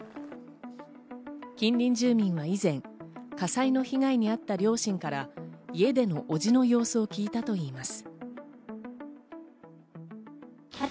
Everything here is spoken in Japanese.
近隣住民は以前、火災の被害に遭った両親から家での伯父の様子を聞いたといいます。